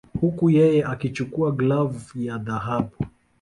Huku yeye akichukua glov ya dhahabu